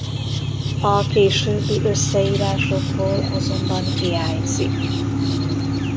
A későbbi összeírásokból azonban hiányzik.